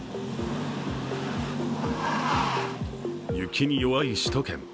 雪に弱い首都圏。